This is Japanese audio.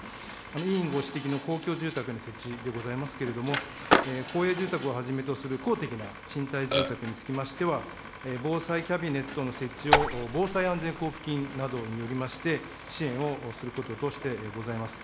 委員ご指摘の公共住宅の設置でございますけれども、公営住宅をはじめとする公的な賃貸住宅につきましては、防災キャビネットの設置を防災安全交付金などによりまして、支援をすることとしてございます。